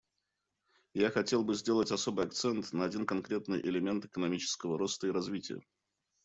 Я хотел бы сделать особый акцент на один конкретный элемент экономического роста и развития.